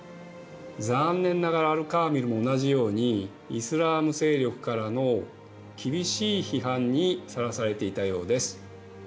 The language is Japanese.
残念ながらアル・カーミルも同じようにイスラーム勢力からの厳しい批判にさらされていたようです。